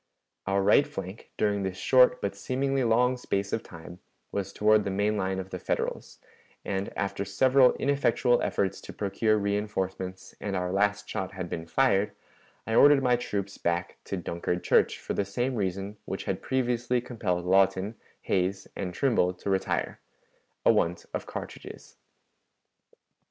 Our right flank, during this short but seemingly long space of time, was toward the main line of the Federals, and, after several ineffectual efforts to procure reënforcements and our last shot had been fired, I ordered my troops back to Dunkard church for the same reason which had previously compelled Lawton, Hays, and Trimble to retire (a want of cartridges).